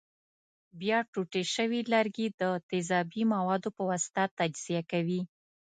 بیا ټوټې شوي لرګي د تیزابي موادو په واسطه تجزیه کوي.